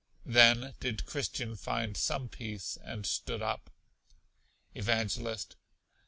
Then did Christian find some peace, and stood up. Evangelist.